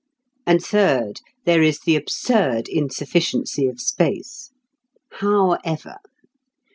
And third, there is the absurd insufficiency of space. However!...